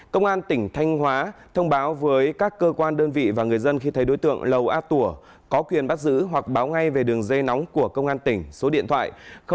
công an tỉnh thanh hóa thông báo với các cơ quan đơn vị và người dân khi thấy đối tượng lâu a tùa có quyền bắt giữ hoặc báo ngay về đường dây nóng của công an tỉnh số điện thoại hai nghìn ba trăm bảy mươi ba bảy trăm hai mươi năm bảy trăm hai mươi năm